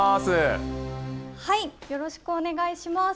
よろしくお願いします。